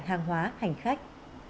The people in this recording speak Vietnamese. hàng hóa hành khách